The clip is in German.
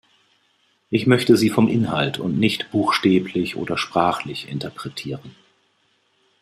Ich möchte sie vom Inhalt und nicht buchstäblich oder sprachlich interpretieren.